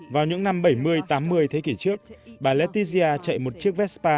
vào những năm bảy mươi tám mươi thế kỷ trước bà lattizhia chạy một chiếc vespa